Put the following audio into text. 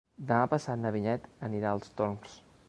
Demà passat na Vinyet anirà als Torms.